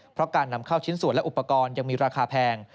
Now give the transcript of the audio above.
เพราะการนำเข้าชิ้นส่วนและอุปกรณ์ยังมีราคาแพง